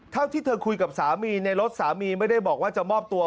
เท่าที่เธอคุยกับสามีในรถสามีไม่ได้บอกว่าจะมอบตัว